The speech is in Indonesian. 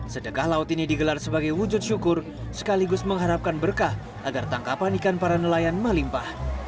sedekah laut ini digelar sebagai wujud syukur sekaligus mengharapkan berkah agar tangkapan ikan para nelayan melimpah